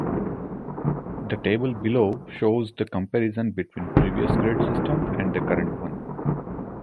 The table below shows the comparison between previous grade system and the current one.